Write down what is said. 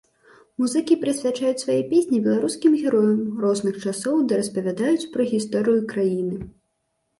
Музыкі прысвячаюць свае песні беларускім героям розных часоў ды распавядаюць пра гісторыю краіны.